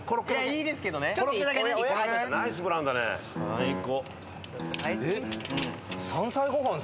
最高。